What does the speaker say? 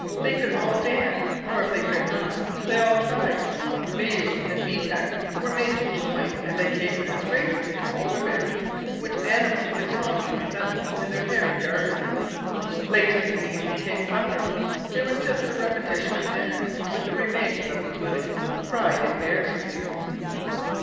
They could all dance, or, if they could not, they all tried. Myouk and Meetek were made to join and they capered as gracefully as polar bears, which animals they strongly resembled in their hairy garments. Late in the evening came supper. It was just a repetition of dinner, with the remains of the pudding fried in bear's grease.